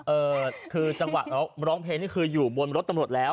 เออคือจังหวะร้องเพลงนี่คืออยู่บนรถตำรวจแล้ว